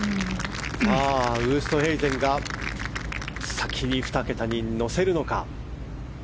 ウーストヘイゼンが先に２桁に乗せるのか。